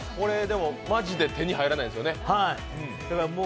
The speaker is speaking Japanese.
まじで手に入らないんですよね。